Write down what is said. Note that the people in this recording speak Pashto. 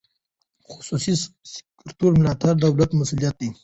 د خصوصي سکتور ملاتړ د دولت مسوولیت دی.